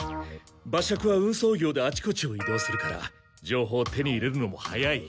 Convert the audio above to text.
馬借は運送業であちこちをいどうするからじょうほうを手に入れるのも早い。